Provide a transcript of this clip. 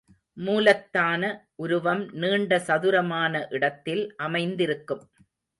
மூலத்தான உருவம் நீண்ட சதுரமான இடத்தில் அமைத்திருக்கும்.